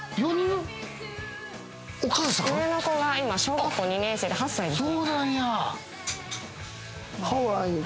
上の子は今小学校２年生で８歳です。